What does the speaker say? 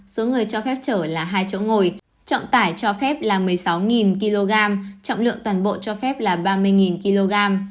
số người cho phép chở là hai chỗ ngồi trọng tải cho phép là một mươi sáu kg trọng lượng toàn bộ cho phép là ba mươi kg